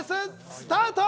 スタート！